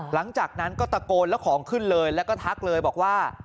หลังจากนั้นก็ตะโกนแล้วของขึ้นเลยแล้วก็ทักเลยบอกว่า